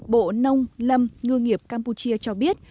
bộ nông lâm ngư nghiệp campuchia cho biết